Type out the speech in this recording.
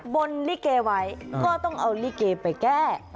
บนลิเกไว้ก็ต้องเอาลิเกไปแก้